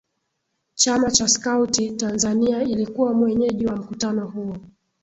Chama cha Skauti Tanzania ilikuwa mwenyeji wa mkutano huo